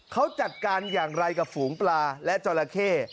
เขาจัดการอย่างไรกับฝูงปลาและจราเข้